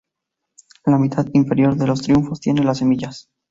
En la mitad inferior de los frutos tiene las semillas.